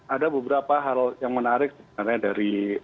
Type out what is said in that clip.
ada beberapa hal yang menarik sebenarnya dari